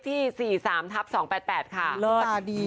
แต่ที่แน่บ้านเลขที่๔๓๒๘๘